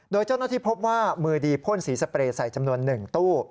โดยเจ้าหน้าที่พบว่ามือดีพ่นสีสเปรย์ใส่จำนวน๑ตู้